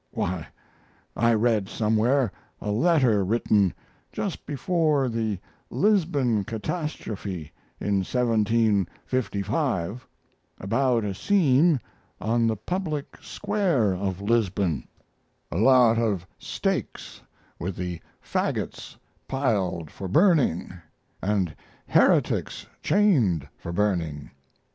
Why, I read somewhere a letter written just before the Lisbon catastrophe in 1755 about a scene on the public square of Lisbon: A lot of stakes with the fagots piled for burning and heretics chained for burning.